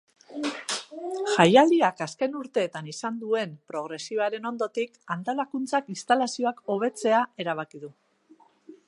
Jaialdiak azken urteetan izan duen progresioaren ondotik, antolakuntzak instalazioak hobetzea erabaki du.